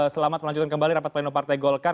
selamat kembali di rapat pleno partai golkar